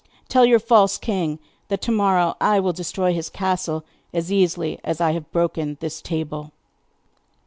'Tell your false king that to morrow I will destroy his castle as easily as I have broken this table.